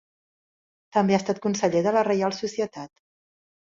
També ha estat conseller de la Reial Societat.